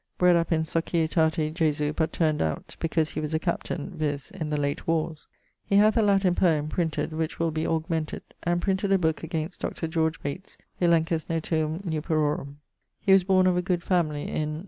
Bred up in Societate Jesu; but turn'd out because he was a captaine, viz. in the late warres. He hath a Latin poem, printed, which will be augmented; and printed a booke against Dr. Bates' Elenchus motuum nuperorum. He was borne of a good family in